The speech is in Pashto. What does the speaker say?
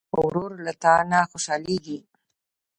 ورور له تا نه خوشحالېږي.